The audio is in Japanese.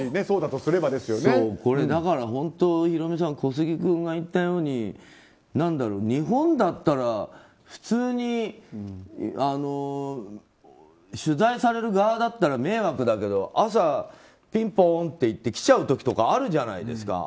これ、ヒロミさん小杉君が言ったように日本だったら普通に取材される側だったら迷惑だけど朝、ピンポンっていってきちゃう時があるじゃないですか。